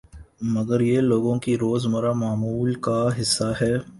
مگر یہ لوگوں کے روزمرہ معمول کا حصہ ہے